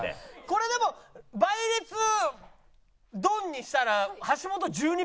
これでも倍率ドンにしたら橋本１２倍でしょ？